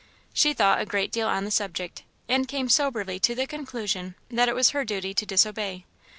She thought a great deal on the subject, and came soberly to the conclusion that it was her duty to disobey.